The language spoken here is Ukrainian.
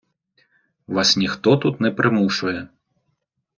Вас ніхто тут не примушує.